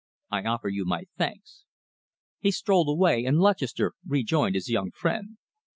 I offer you my thanks." He strolled away, and Lutchester rejoined his young friend.